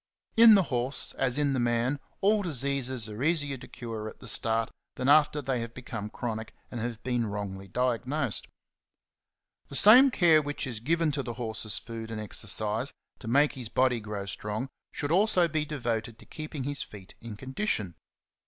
In the horse, as in the man, all diseases are easier to cure at the start than after they have become chronic and have been wrongly diagnosed. The same care which is given to the horse's food and exercise, to make his body grow strong, should also be devoted to keep ing his feet in condition.